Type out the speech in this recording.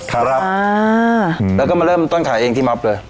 ครับอ่าแล้วก็มาเริ่มต้นขายเองที่มอบเลย